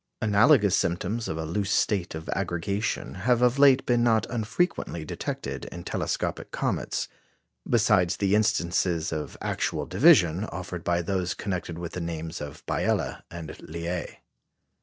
Analogous symptoms of a loose state of aggregation have of late been not unfrequently detected in telescopic comets, besides the instances of actual division offered by those connected with the names of Biela and Liais.